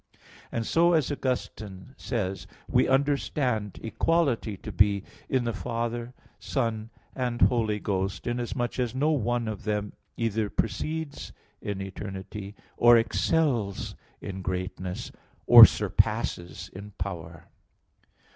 And so as Augustine (Fulgentius, De Fide ad Petrum i) says: "We understand equality to be in the Father, Son and Holy Ghost, inasmuch as no one of them either precedes in eternity, or excels in greatness, or surpasses in power."